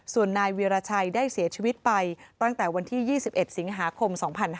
ส่วนนายวีรชัยได้เสียชีวิตไปตั้งแต่วันที่๒๑สิงหาคม๒๕๕๙